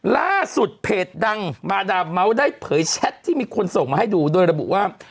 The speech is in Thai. ล่าสุดเพจดังมาดาม้าได้เผยแชทที่มีคนส่งมาให้ดูโดยระบุว่า